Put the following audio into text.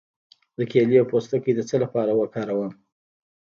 د کیلې پوستکی د څه لپاره وکاروم؟